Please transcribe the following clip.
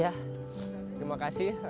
ya terima kasih